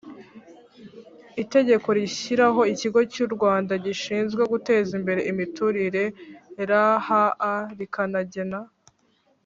Itegeko rishyiraho ikigo cy u rwanda gishinzwe guteza imbere imiturire rha rikanagena